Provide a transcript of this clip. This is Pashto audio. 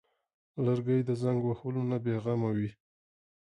لرګی د زنګ وهلو نه بېغمه وي.